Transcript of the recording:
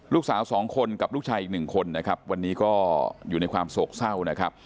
ลูกสาวสองคนกับลูกชายอีกหนึ่งคนวันนี้ก็อยู่ในความโศกเศร้า